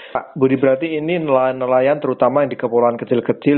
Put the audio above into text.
pak budi berarti ini nelayan nelayan terutama yang di kepulauan kecil kecil